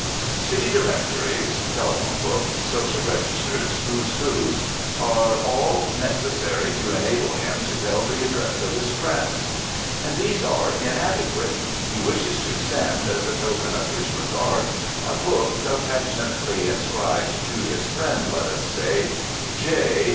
City directories, telephone "books," social registers, "Who's Whos," all are necessary to enable him to tell the addresses of his friends. And these are inadequate. He wishes to send, as a token of his regard, a book, affectionately inscribed, to his friend, let us say, J.